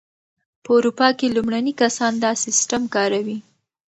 په اروپا کې لومړني کسان دا سیسټم کاروي.